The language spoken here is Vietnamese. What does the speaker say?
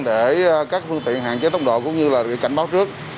để các phương tiện hạn chế tốc độ cũng như là cảnh báo trước